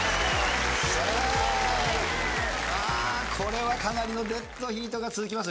これはかなりのデッドヒートが続きます。